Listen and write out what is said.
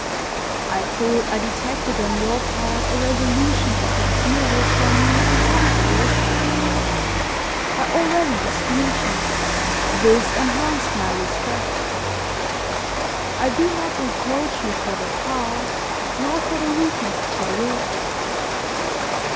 I thought I detected on your part a resolution to conceal this from me and conquer yourself. I already esteemed you, this enhanced my respect. I do not reproach you for the past, nor for the weakness of your will.